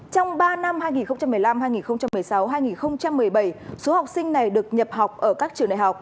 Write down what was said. trong ba năm hai nghìn một mươi năm hai nghìn một mươi sáu hai nghìn một mươi bảy số học sinh này được nhập học ở các trường đại học